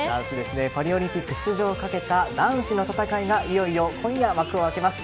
パリオリンピック出場を懸けた男子の戦いがいよいよ今夜、幕を開けます。